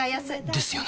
ですよね